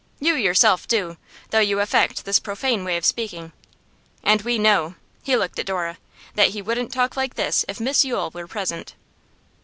You yourself do, though you affect this profane way of speaking. And we know,' he looked at Dora, 'that he wouldn't talk like this if Miss Yule were present.